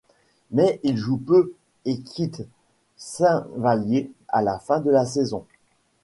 Mais il joue peu et quitte Saint-Vallier à la fin de la saison.